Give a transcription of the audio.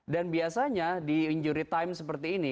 dan biasanya di injury time seperti ini